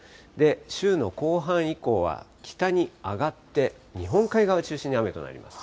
週の後半以降は、北に上がって、日本海側を中心に雨となります。